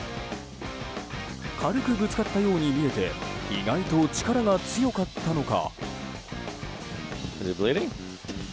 軽くぶつかったように見えて意外と力が強かったのか。